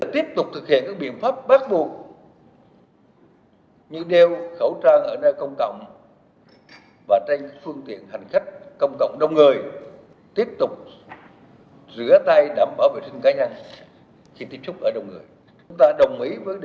tiếp tục thực hiện các biện pháp bác buộc như đeo khẩu trang ở nơi công cộng và tranh phương tiện hành khách công cộng đông người tiếp tục rửa tay đảm bảo vệ sinh cá nhân khi tiếp xúc ở đông người